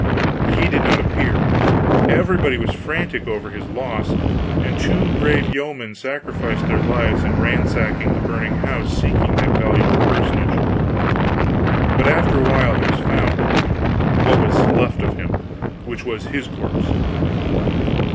He did not appear. Everybody was frantic over this loss, and two brave yeomen sacrificed their lives in ransacking the burning house seeking that valuable personage. But after a while he was found what was left of him which was his corpse.